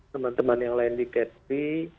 teman teman yang lain di kepri